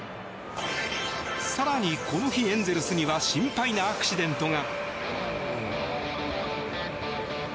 更にこの日、エンゼルスには心配なアクシデントが。